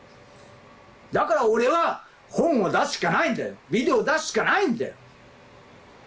だから俺は、本を出すしかないんだよ、ビデオを出すしかないんだよ。